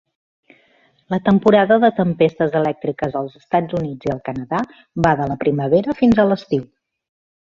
La temporada de tempestes elèctriques als Estats Units i al Canadà va de la primavera fins a l'estiu.